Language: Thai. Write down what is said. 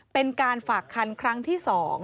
เป็นการฝากคันครั้งที่๒